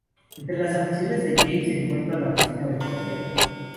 Entre las aficiones de Jayne, se encuentra la cocina vegetariana.